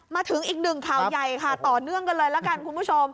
มาถึงอีกหนึ่งข่าวใหญ่ค่ะต่อเนื่องกันเลยละกันคุณผู้ชม